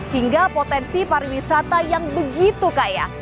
hingga potensi pariwisata yang begitu kaya